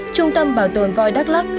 trung tâm bảo tồn voi đắk lắk